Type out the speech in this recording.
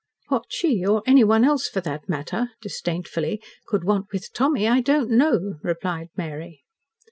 "What she, or anyone else for that matter," disdainfully, "could want with Tommy, I don't know," replied Mary.